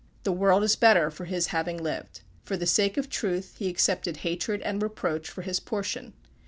The world is better for his having lived. For the sake of truth he accepted hatred and reproach for his portion.